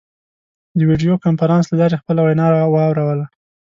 د ویډیو کنفرانس له لارې خپله وینا واوروله.